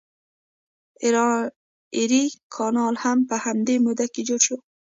ایري کانال هم په همدې موده کې جوړ شو.